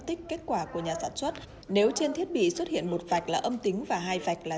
tích kết quả của nhà sản xuất nếu trên thiết bị xuất hiện một vạch là âm tính và hai vạch là